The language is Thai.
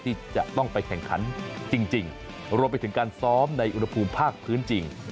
ที่จะต้องไปแข่งขันจริงรวมไปถึงการซ้อมในอุณหภูมิภาคพื้นจริง